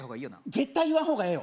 絶対言わん方がええよ